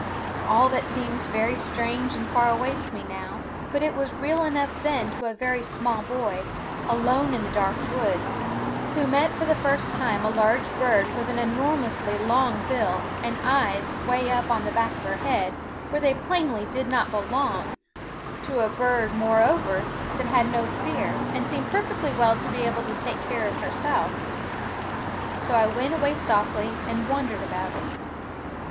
All that seems very strange and far away to me now; but it was real enough then to a very small boy, alone in the dark woods, who met for the first time a large bird with an enormously long bill and eyes 'way up on the back of her head where they plainly did not belong, a bird moreover that had no fear and seemed perfectly well able to take care of herself. So I went away softly and wondered about it.